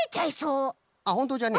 あっほんとじゃね。